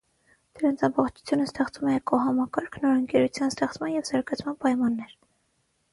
Դրանց ամբողջությունը ստեղծում է «էկոհամակարգ», նոր ընկերության ստեղծման և զարգացման պայմաններ։